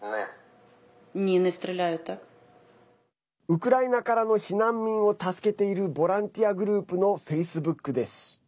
ウクライナからの避難民を助けているボランティアグループのフェイスブックです。